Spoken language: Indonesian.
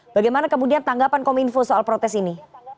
bagaimana kemudian tanggapan kominfo soal protes ini